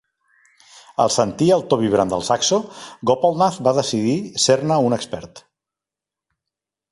Al sentir el to vibrant del saxo, Gopalnath va decidir ser-ne un expert.